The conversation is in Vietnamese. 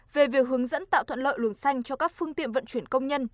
về việc hướng dẫn tạo thuận lợi luồng xanh cho các phương tiện vận chuyển công nhân